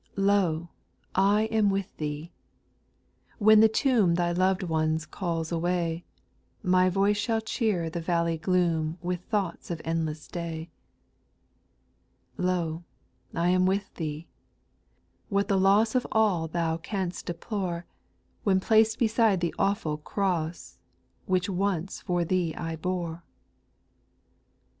2. " Lo ! I am with thee," when the tomb Thy loved ones calls away, My voice shall cheer the valley gloom With thoughts of endless day. 3. " Lo ! I am with thee ;"— What the loss Of all thou can'st deplore, When placed beside the awful cross. Which once for thee I bore 1 4.